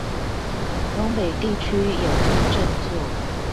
東北地區有意振作